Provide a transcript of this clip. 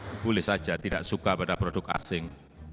kepulis saja tidak suka pada produk asing